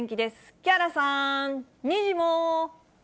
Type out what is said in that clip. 木原さん、にじモ。